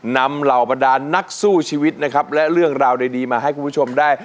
เหล่าบรรดานนักสู้ชีวิตนะครับและเรื่องราวดีมาให้คุณผู้ชมได้